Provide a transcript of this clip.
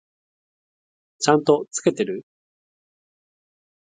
ちゃんと付けてる？